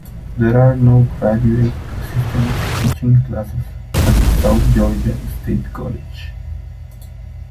There are no graduate assistants teaching classes at South Georgia State College.